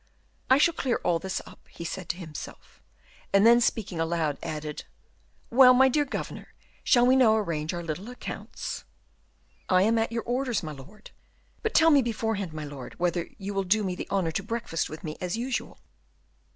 "I shall clear all this up," he said to himself; and then speaking aloud, added, "Well, my dear governor shall we now arrange our little accounts?" "I am at your orders, my lord; but tell me beforehand, my lord, whether you will do me the honor to breakfast with me as usual?"